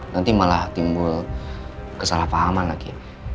nanti malah timbul kesalahpahaman lagi